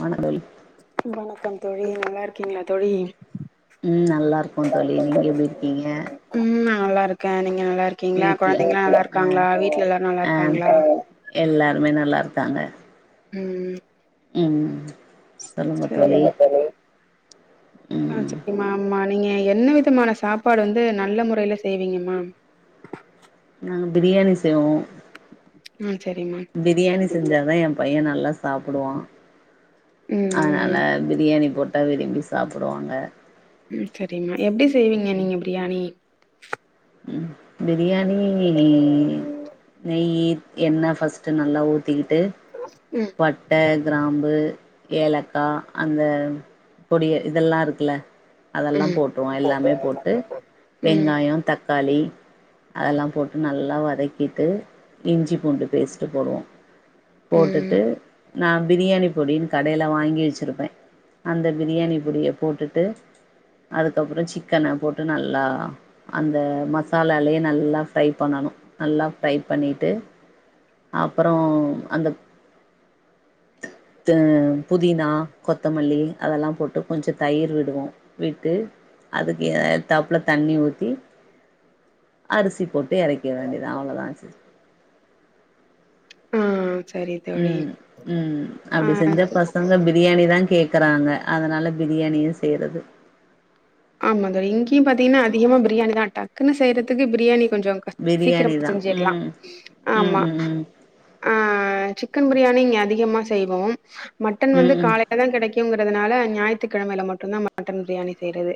வணக்கம் தோழி வணக்கம் தோழி நல்லாருக்கீங்ளா தோழி ம் நல்லாருக்கோ தோழி நீங்க எப்டி இருக்கீங்க ஆ நா நல்லாருக்கே நீங்க நல்லா இருக்கீங்ளா வீட்ல கொழந்தைங்கலா நல்லா ஆ இருக்காங்ளா வீட்ல எல்லாரு நல்லா இருக்காங்ளா எல்லருமே நல்லாருக்காங்க ம் ம் அ சொல்லுங்க தோழி சேரிங்க ம் ஆமா நீங்க என்ன விதமான சாப்பாடு வந்து நல்ல முறையில செய்வீங்கம்மா நாங்க பிரியாணி செய்வோ ஆ சரிம்மா பிரியாணி செஞ்சாதா எ பைய நல்லா சாப்டுவா ம் அதனால ம் பிரியாணி போட்டா விரும்பி சாப்புடுவாங்க ம் செரிங்க எப்டி செய்வீங்க நீங்க பிரியாணி ம் பிரியாணி நெய்யி எண்ண ஃபர்ஸ்ட்டு நல்லா ஊத்திக்கிட்டு ம் பட்ட கிராம்பு ஏலக்கா அந்த பொடிய இதல்லாருக்குல்ல அதெல்லா ம் போட் ப்போ எல்லாமே போட்டு ம் வெங்காயோ தக்காளி அதல்லா போட்டு நல்லா வதக்கிட்டு இஞ்சி பூண்டு பேஸ்ட்டு போடுவோ ம் போட்டுட்டு நா பிரியாணி பொடின் கடைல வாங்கி வச்சிருப்பே அந்த பிரியாணி பொடிய போட்டுட்டு அதுக்கப்றோ சிக்கன போட்டு நல்லா அந்த மசாலாலயே நல்லா ஃப்ரை பண்ணணு நல்லா ஃப்ரை பண்ணிட்டு அப்பறோ அந்த த புதினா கொத்தமல்லி அதெல்லா போட்டு கொஞ்சொ தயிர் விடுவோ விட்டு அதுக்கு ஏத்தாப்ல தண்ணி ஊத்தி அரிசி போட்டு எறக்கிற வேண்டிதா அவ்ளோதாங் சிஸ் ஆ செரி ம் ம் அப்டி செஞ்சா பசங்க பிரியாணி தா கேக் கறாங்க அதனால பிரியாணியே செய்றது ஆமாங்க இங்கியு பாத்தீங்கன்னா அதிகமா பிரியாணி தா டக்குன்னு செய்றதுக்கு பிரியாணி கொஞ்சொ பிரியாணி சீக்கிரமா தா செஞ்சிற்லா ம் ம் ஆமா ம் ம் ஆ சிக்கன் பிரியாணி இங்க அதிகமா செய்வோம் மட்டன் ம் வந்து ம் காலை தா கெடைக்குங்கறதுனால ஞாயித்துக்கெழமைல மட்டுந்தா மட்டன் பிரியாணி செய்றது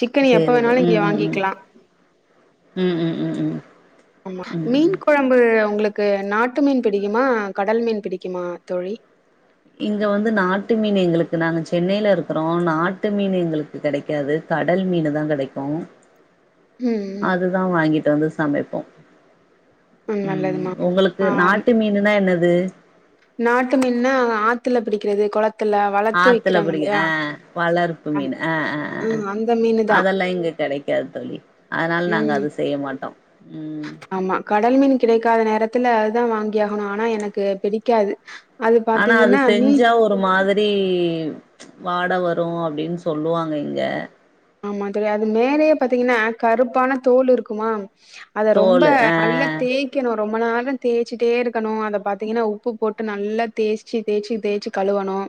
சிக்கன் எப்ப செய்றது வேணாலும் ம் இங்க ம் ம் வாங்கிக்கலா. ம் ம் ம் ம் ஆமா ம் மீன் கொழம்பு உங்களுக்கு நாட்டு மீன் பிடிக்குமா கடல் மீன் பிடிக்குமா தோழி இங்க வந்து நாட்டு மீன் எங்களுக்கு நாங்க சென்னைலருக்குறோ நாட்டு மீன் எங்களு க்கு கெடைக்காது கடல் மீனு தா கெடைக்கோ ம் அதுதா வாங்கிட்டு வந்து சமைப்போ ம் ஒங்களுக்கு ஆ நாட்டு மீனுனா என்னது நாட்டு மீன்னா ஆத்துல புடிக்கிறது கொளத்துல ஆத்துல புடிக்க ஆ வளர்ப்பு அந் மீனு ஆ ஆ ஆ ம் அந்த மீனு தான். அதெல்லா இங்க கெடைக்காது தோழி அதனால நாங்க ம் அது செய்ய மாட்டோ ம் ஆமா கடல் மீன் கிடைக்காத நேரத்துல அதுதா வாங்கி ஆகணு ஆனா எனக்கு பிடிக்காது அது ஆனா அது பாத்தீங்கன்னா மீ செஞ்சா ஒரு மாதிரி வாட வரு அப்டின் சொல்லுவாங்க இங்க ஆமா தோழி அது மேலயே பாத்தீங்கன்னா கருப்பான தோல் இருக்குமா அத ரொம்ப தோலு ஆ நல்லா தேய் க்கனோ ரொம்ப நேரோ தேய்ச்சிட்டே இருக்கணு அத பாத்தீங்கன்னா உப்பு போட்டு நல்லா தேய்ச்சி தேய்ச்சி தேய்ச்சி கழுவனு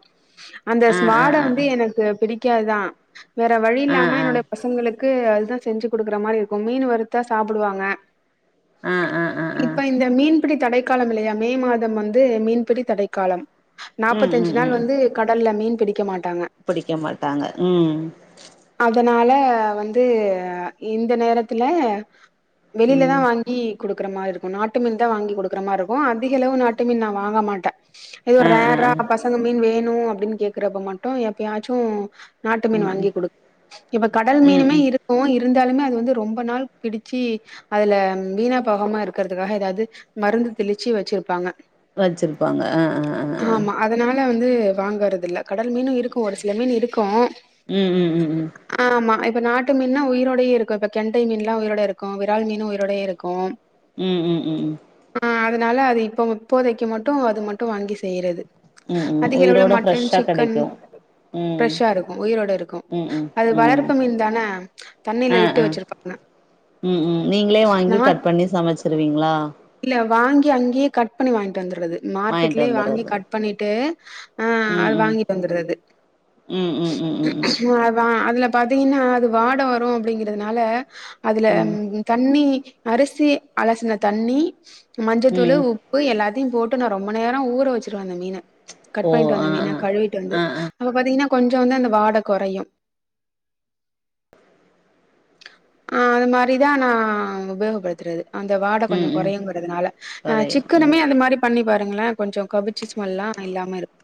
அந்த ஆ ஸ் ஆ வாட ஆ வந்து எனக்கு பிடிக்காதா வேற ஆ ஆ வழியில்லா ம ஆ என்னோட பசங் களுக்கு அதுதா செஞ்சு குடுக்குற மாரி இருக்கு மீன் வறுத்தா சாப்புடுவாங்க ஆ ஆ ஆ ஆ. இப்ப இந்த மீன்பிடி தடைக்காலம் இல்லயா மே மாதம் வந்து மீன்பிடி தடைக்காலம் ம் ம் நாப்பத்தஞ்சு நாள் வந்து கடல்ல மீன் பிடிக்க மாட்டாங்க புடிக்க மாட்டாங்க ம் அதனால வந்து இந்த நேரத்துல வெளில தா ம் வாங்கி குடுக்குற மாரி இருக்கு நாட்டு மீன் தா வாங்கி குடுக்குற மாரி இருக்கு அதிக அளவு நாட்டு மீன் நா வாங்க மாட்டே எதுவும் ஆ ஆ ரேரா ஆ பசங்க மீன் வேனும் அப்டின்னு கேக்குறப்ப மட்டு எப்பயாச்சோ நாட்டு மீன் ம் ம் வாங்கி குடு இப்ப கடல் ம் மீனுமே ம் இருக்கு இருந்தாலுமே அது வந்து ரொம்ப நாள் பிடிச்சி அதுல வீணா போகம இருக்கறதுக்காக ஏதாது மருந்து தெளிச்சி வச்சிருப்பாங்க வச்சிருப்பாங்க அ அ அ ஆமா அதனால வந்து வாங்கறத இல்ல கடல் மீனு இருக்கு ஒரு சில மீன் இருக்கு உம் ம் ம் ஆமா இப்ப நாட்டு மீன்னா உயிரோடய இருக்கொ இப்ப கெண்டை மீன்லா உயிரோட இருக்கு விரால் மீனு உயிரோடய இருக்கு உம் ம் ம் ம் அ அதனால அது இப்போ இப்போதைக்கு மட்டு அது மட்டு வாங்கி செய்றது ம் ம் அதிக அளவுள உயிரோட மட்டன் ஃப்ரெஷ்ஷா சிக்கன் கெடைக்கு ம் ஃப்ரெஷ்ஷா இருக்கும் உயிரோட இருக்கு ம் ம் அது ம் வளர்ப்பு மீன்தான ஆ தண்ணில விட்டு ஆ வச்சிருப்பாங்க நாட் சமச்சிருவிங்ளா இல்ல வாங்கி அங்கேயே கட் பண்ணி வாங்கிட்டு வந்துறது வாங்கிட்டு மார்க்கெட்லயே வாங்கி வந்துறது கட் பண்ணிட்டு அ ம் அது ம் வாங்கிட்டு வந்துருது ம் ம் ம் ம் அ அதுல பாத்தீங்கன்னா அது வாட வரு அப்டிங்கிறதுனால அதுல ம் ம் தண்ணி அரிசி அலசின தண்ணி மஞ்சத்தூள் ம் உப் பு எல்லாத்தையு போட்டு நா ரொம்ப நேரம் ஊற வச்சுடுறுவ மீன கட் ஓ பண்ணிட்டு வந்த ஆ மீன ஆ கழுவிட்டு வந்து ஆ ஆ அப்ப பாத்தீங்கன்னா கொஞ்சோ வந்து அந்த வாட கொறையூ அ அது மாரிதா நா உபயோகப்படுத்துறது அந்த வாட கொஞ்சோ ம் ம் கொரையோங்கறதுனால அ கொறையு ம் சிக்கனுமே அந்த மாரி பண்ணி பாருங்களே கொஞ்சோ கவுச்சி ஸ்மெல்லா இல்லாம இருக்கு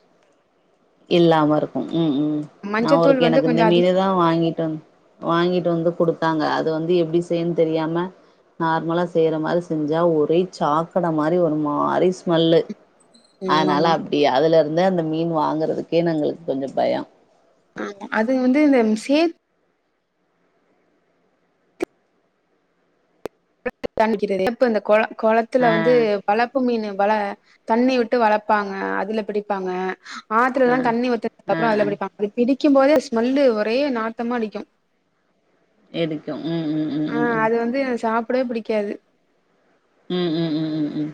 இல்லாம இருக்கு ம் ம் நா ஒரு மஞ்சத்தூள் வந்து எனக்கு இந்த கொஞ்சோ அதிக மீனு தா வாங்கிட்டு வ வாங்கிட்டு வந்து குடுத்தாங்க அது வந்து எப்டி செய்யன்னு தெரியாம நார்மலா செய்ற மாரி செஞ்சா ஒரே சாக்கட மாரி ஒரு மாறி ஸ்மெல்லு ஆமாமா அதனால அப்டியா அதுல இருந்து அந்த மீன் வாங்குறதுக்கே நாங்களுக்கு கொஞ்சம் பயம் அது வந்து இந்த சேத் தணிக்கிறது இப்ப இந்த குள குளத்துல ஆ வந்து வளப்பு மீன் வள தண்ணி விட்டு வளர்பாங்க அதுல பிடிப்பாங்க ஆத்துல ஆ தான் தண்ணி ஆ ஊத்ததுக்குப்புறம் ஆ அதுல பிடிப்பாங்க பிடி நிக்கும் போதே ஸ்மெல்லு ஒரே நாத்தமா அடிக்கும் எதுக்கும் உம் உம் ஆ அது வந்து சாப்டவே பிடிக்காது உம் உம் உம் உம் உம்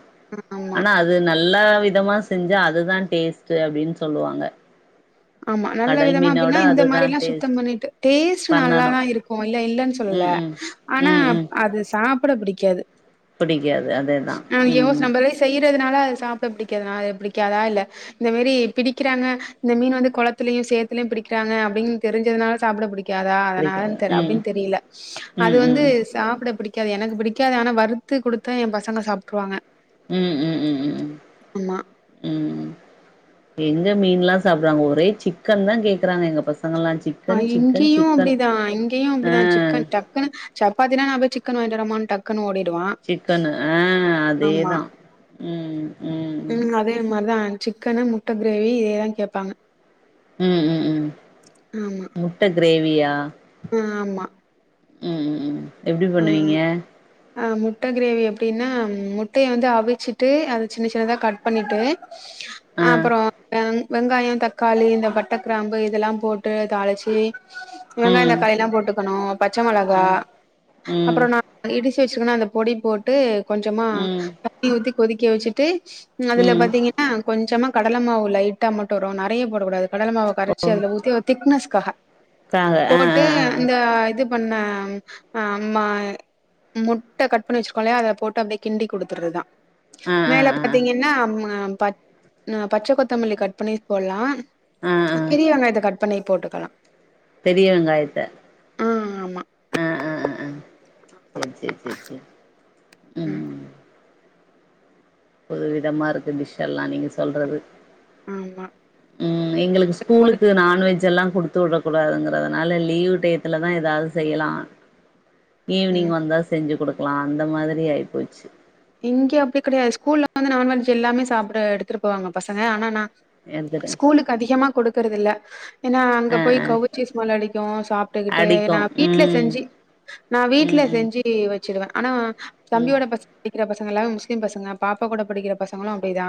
ஆமா ஆனா அது நல்ல விதமா செஞ்சு அதுதான் டேஸ்ட் அப்டின்னு சொல்வாங்க ஆமா நல்ல விதமா அப்டின்னா இந்த அதுதா மாரி எல்லாம் சுத்தம் டேஸ்ட் பண்ணிட்டு டேஸ்ட் பண்ணணு நல்லாதான் இருக்கும் இல்ல இல்லன்னு ம் சொல்லல ம் ஆனா ம் ம் அது சாப்ட பிடிக்காது பிடிக்காது அதேதா உம் செய்றதுனால சாப்ட பிடிக்காதா பிடிக்காதா இல்ல இந்த மாரி பிடிக்கிறாங்க இந்த மீன் வந்து கொளத்திலயு சேத்திலயு பிடிக்கிறாங்க அப்டின்னு தெரிஞ்சதுனால சாப்ட பிடிக் காதா அதனா பிடிக்காது ம் அப்டின்னு தெரியல ம் அது வந்து ம் சாப்பிட பிடி பிடிக்காது எனக்கு பிடிக்காது ஆனா வருத்து குடுத்தா என் பசங்க சாப்ட்ருவாங்க உம் ம் ஆமா ம்ம்ம் எங்க மீன்லா சாப்புறுவாங்க ஒரே சிக்கன் தா கேக்குறாங்க எங்க பசங்கலா சிக் அ இங்கியு அப்டிதா இங்கேயு ஆ அப்டிதா சிக்கன் டப் கனு சப்பாத்தினா நா போய் சிக்கன் வாயிங்கிட்டு வரேனு டக்குன்னு ஓடிடுவா சிக்கனு ஆ ஆமா அதேதா ம் ம் அதே மார் தா ஆன் சிக்கனு முட்ட கிரேவி இதேதா கேப்பாங்க ம் ம் ம் ஆமா முட்ட கிரேவியா ஆ ஆமா ம் ம் ம் எப்டி பண்ணுவீங்க அ முட்ட கிரேவி எப்டின்னா முட்டய வந்து அவிச்சிட்டு அத சின்ன சின்னதா கட் பண்ணிட்டு ஆ அப்பறோ ம் வெங்காயோ தக்காளி இந்த பட்ட கிராம்பு இதெல்லா போட்டு தாளிச்சு வெங்காயந் ம் தக்காளி எல்லா போட்டுக்கணு பச்ச மொளகா ம் ம் அப்பறோ நா இடிச்சு வச்சுர்கன அந்த பொடி போட்டு கொஞ்சமா ம் ணி ஊத்தி கொதிக்க வச்சுட்டு அதுல ம் பாத்தீங்க ஆ கொஞ்சமா கடல மாவு லைட்டா மட்டு வரு நறைய போடக்கூடாது கடல மாவு கரைச்ச அதுல ஊத்தி திக்னஸ்காக காக ஆ ஆ போட்டு ஆ இந்த இது பண்ண ஆம்மா முட்ட கட் பண்ணி வச்சுர்கோலையா அதுல போட்டு அப்டியே கிண்டி குடுத்துர்துதா ஆ ஆ மேல ஆ ஆ பாத்தீங்கன்னா பச் பச்ச கொத்தமல்லி கட் பண்ணி போட்லா ஆ ஆ பெரிய வெங்காயத்த கட் பண்ணி போட்டுக்கலா பெரிய வெங்காயத்த ஆ ஆமா ஆ ஆ ஆ ஆ சேர் சேர் சேர் சேர் ம் ம் புது விதமா இருக்கு டிஷ் எல்லா நீங்க சொல்றது ஆமா ம் எங்களுக்கு ஒரு ஸ்கூலுக்கு நான்வெஜ் எல்லா குடுத் து வுடகூடாதுங்கறதுனால லீவ் டயத்துலதா ஏதாவது செய்யலா ஈவினிங் ம் வந்தா செஞ்சு குடுக்கலா அந்த மாதிரி ஆயி போச்சு இங்கே அப்டி கிடையாது ஸ்கூல்ல வந்து நான்வெஜ் எல்லாமே சாப்பிட எடுத்துட்டு போவாங்க பசங்க ஆனா நா எடுத்துட்ட ஸ்கூலுக்கு அதிகமா குடுக்கறது இல்ல ஏனா அங்க ஆ போய் ஆ கவுச்சி ஸ்மல் அடிக்கு சாப்பிட்டுக்கிட்டு அடிக்கு நா வீட்ல ம் செஞ்சி நா வீட்ல ம் ம் செஞ்சி வச்சிடுவே ஆனா ம் தம்பியோட பச படிக்கிற பசங்கலா முஸ்லீம் பசங்க பாப்பா கூட படிக்கிற பசங்களு அப்டிதா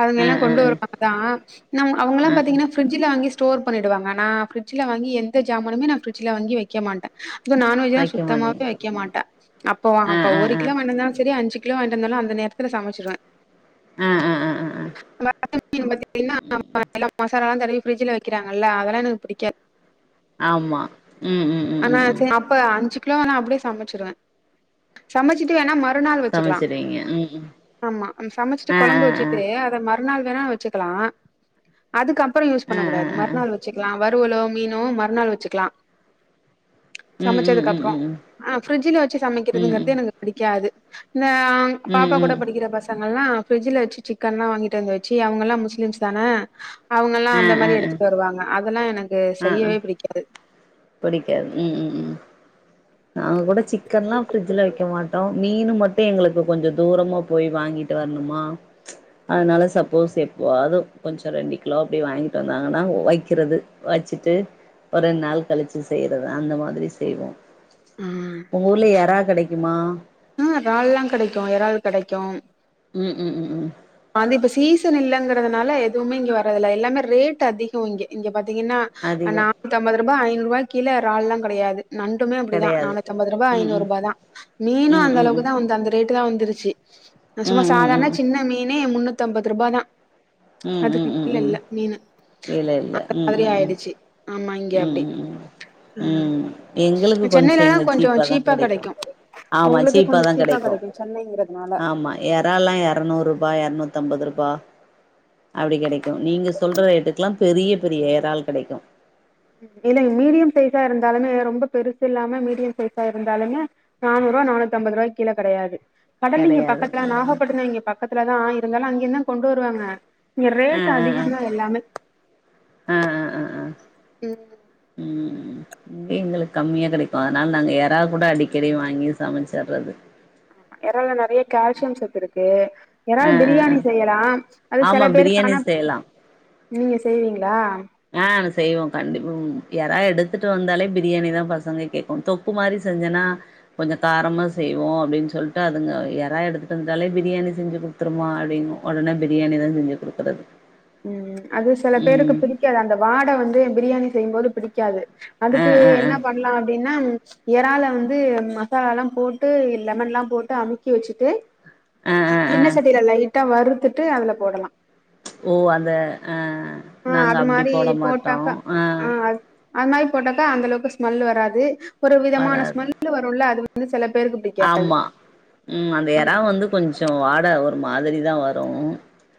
அதுங்க ஆ எல்லா ஆ கொண்டு ஆ வரமார்தா நம்ம அவங்கல்லா ஆ பாத்தீங்கன்னா ஃபிரிட்ஜீல வாங்கி ஸ்டோர் பண்ணிடுவாங்க நா ப்ரிட்ஜில வாங்கி எந்த ஜாமானுமே நா ஃப்ரிட்ஜ்ல வாங்கி வெக்க மாட்ட அதுவு நான்வெஜ்லா வைக்க மாட்டீங்க சுத்தமாவே வெக்க மாட்டா அப்போ ஆ அப்ப ஆ ஒரு ஆ கிலோ வாங்கினு வந்தாலு சரி அஞ்சு கிலோ வாங்கிட் வந்தாலு அந்த நேரத்துல சமச்சிருவே ஆ ஆ ஆ ஆ ஆ பாய் வீட்ல பாத்தீங்கன்னா ம் எல்லா மசாலாலா தடவி ஃபிரிட்ஜில வெக்கிறாங்கல்ல அதெல்லா எனக்கு பிடிக்காது ஆமா ம் ம் ம் ம் இப்ப அஞ்சு கிலோ நா அப்டியே சமச்சிடுவே சமச்சிட்டு வேணா மறுநாள் வச்சுக்கலா சமச்சுருவீங்க ம் ஆமா நம் சமச்சிட்டு ம் ஆ கொழம்பு ஆ வச்சுட்டு ஆ அத மறுநாள் வேணா வச்சுக்கலா அதுக்கப் பற யூஸ் பண்ண ஆ கூடாது ஆ ஆ மறுநாள் வச்சுக்கலா வறுவலோ மீனோ மறுநாள் வச்சுக்லா ம் ம் சமச்சதுக்கு ம் அப்றோ ம் ஆ ஃபிரிட்ஜ்ல வச்சு ம் ம் சமைக்கிறதுங்றது எனக்கு பிடிக்காது இந்த ஆ ம் பாப்பா கூட ம் படிக்கிற பச அவுங்கல்லா ஃபிரிட்ஜ்ல வச்சு சிக்கன்ல்லா வாங்கிட்டு வந்து வச்சு அவுங்கல்லா முஸ்லிம்ஸ் தான அவுங்கல்லா ஆ அந்த ஆ மாரி ஆ எடுத்துட்டு வருவாங்க அதெல்லா எனக்கு செய்யவே பிடிக்காது புடிக்காது ம் உம் உம் நாங்க கூட சிக்கன் எல்லா ஃபிரிட்ஜ்ல வைக்க மாட்டோம் மீனு மட்டு எங்களுக்கு கொஞ்ச தூரமா போய் வாங்கிட்டு வரணுமா அதனால சப்போஸ் எப்போ அது கொஞ்சோ ரெண்டு கிலோ அப்படி வாங்கிட்டு வந்தாங்கன்னா வைக்கிறது வச்சுட்டு ஒரு நாள் கழிச்சு செய்யறது அந்த மாதிரி செய்வோ ஆ உங்கஊர்ல எறா கெடைக்குமா இறால்லாம் கெடைக்கு இறால் கெடைக்கு ம் ம் ம் ம் அது இப்ப சீசன் இல்லைங்கிறதுனால எதுமே இங்க வரதில்ல எல்லாமே ரேட் அதிகோ இங்க இங்க பாத்தீங்கன்னா அதிகோ நானூத்தி ஐம்பது ரூபா ஐநூறுபா கிலோ இறால்லா கெடையாது நண் டுமே அப்டிதா கெடையாது நானூத்தி ஐம்பதுரூபா ம் ம் ஐநூறுபாதா மீனு ம் அந்த ம் ம் அளவுக்குதா வந்து அந்த ரேட்டு தா வந்துருச்சு நா சும்மா ம் ம் சாதாரண ம் சின்ன மீனே முன்னூத்தி ஐம்பது ரூபாதா அதுக்கு கீழ இல்ல மீனு இல்லல்ல அந்த ம் மாதிரி ம் ம் ஆயிடுச்சு ஆமா இங்க ம் அப்டி ம் ஆ ம் ம் எங்களுக்கு கொஞ்சோ சென்னைலலா இங்க கொஞ்சோ சீப்பாதா சீப்பா கெடைக்கு ஆமா உங்களுக்கு கொஞ்சோ சீப்பாதா சீப்பா கெடைக்கு சென்னைங்கிறதுனால ஆமா எறால்லா இரநூறுபா இரநூத்தம்பதுரூபா அப்டி கெடைக்கு நீங்க சொல்ற ரேட்டுக்குல்லா பெரிய பெரிய எறால் கெடைக்கு ம் இல்லைங்க மீடியம் சைஸா இருந்தாலுமே ரொம்ப பெருசு இல்லாம மீடியம் சைஸா இருந்தாலுமே நானூறுவா நானூத்தி அம்பது ரூபாய் கீழ கெடையாது கடல் இங்க கெடையாது பக்கத்துல ம் நாகப்பட்டினம் இங்க பக் பக்கத்துல தான் ஆ இருந்தாலு அங்க இருந்துதா கொண்டு வருவாங்க இங்க ரேட் அதிகதா எல்லாமே அ அ அ அ ம் ம் இங்க எங்களுக்கு கம்மியா கிடைக்கு அதனால நாங்க எறா கூட அடிக்கடி வாங்கி சமைச்சுட்றது எறால நெறய கால்சியம் சத்துருக்கு ஆ எறால் ஆ ஆ பிரியாணி செய்யலா அது சில ஆமா பேருக்கா பிரியாணி ஆனா செய்யலா நீங்க செய்வீங்களா ஆ செய்வோ கண்டிப்பா ம் எறா எடுத்துட்டு வந்தாலே பிரியாணி தா பசங்க கேக்கு தொக்குமாரி செஞ்சனா கொஞ்ச காரமா செய்வோ அப்டின் சொல்லிட்டு அதுங்க எறா எடுத்துட்டு வந்து ட்டாலே பிரியாணி செஞ்சு குடு ட்ருமா அப்டிங்கு உடனே பிரியாணி தா செஞ்சு குடுக்குறது ம் அது சில பேருக்கு ம் பிடிக்காது அந்த வாடை வந்து பிரியாணி செய்யும்போது பிடிக்காது ஆ அதுக்கு ஆ ஆ என்ன பண்ணலா அப்டின்னா எறால வந்து மசாலால்லா போட்டு லெமன்ல்லா போட்டு அமுக்கி வச்சுட்டு ஆ ஆ ஆ எண்ண சட்டில லைட்டா வருத்துட்டு அதுல போடலா ஓ அந்த அஹ் ஆ நாங்க அது அப்டி மாரி போட மாட்டோ போட்டாக்கா ஆ அஹ் அது அது மாரி போட்டாக்கா அந்த அளவுக்கு ஸ்மெல் வராது ஒரு விதமான வராது ஸ்மெல் வரும்ல அது வந்து சில பேருக்கு புடி ஆமா ம் அந்த எறா வந்து கொஞ்ச வாட ஒரு மாரி தா வரு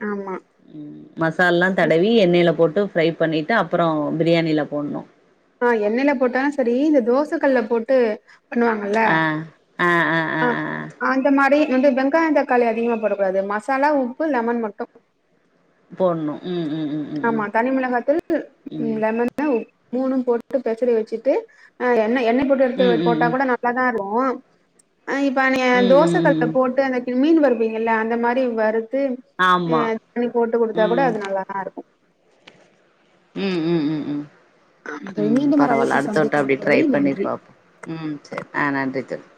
ஆமா ம் மசாலல்லா தடவி எண்ணெல போட்டு ஃப்ரை பண்ணிட்டு அப்பறோ பிரியாணில போடணு ஆஹ் எண்ணெயில போட்டாலு செரி இந்த தோச கல்ல போட்டு பண்ணுவாங்கல்ல ஆ ஆ ஆ ஆ ஆ அந்த மாரி வந்து வெங்காய தக்காளி அதிகமாக போடக்கூடாது மசாலா உப்பு லெமன் மட்டு போட்ணு ம் ம் ம் ம் ஆமா தனிமிளகா தூள் லெமன் மூணு போட்டு பெசறி வச்சிட்டு எண்ணெ எண்ணெய் ம் ம் ம் ம் போட்டுயெடுத்து போட்டா ம் கூட ந ல்லாதா இருக்கு அ இப்ப நீ ம் ம் ம் தோசக்கல்ல ம் போட்டு அந்த மீன் வருபீங்கல்ல அந்த மாரி வறுத்து ஆமா அ தண்ணி போட்டு குடுத்தா கூட ம் அது நல்லாதா இருக்கு ம் ம் ம் ம் ஆமா தோழி ம் மீண்டும் ஒரு பரவால்ல அழைப்பில் அடுத்த வட்ட அப்டி சந்திக்கலாம் ட்ரை தோழி பண்ணி நன்றி பாப்போ ம் சேரி ஆ நன்றி தோழி